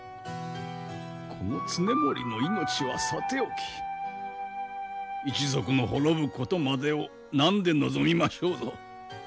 この経盛の命はさておき一族の滅ぶことまでを何で望みましょうぞ。